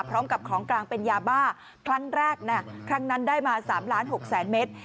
พร้อมกับของกลางเป็นยาบ้าครั้งแรกนะครั้งนั้นได้มา๓ล้าน๖แสนเมตร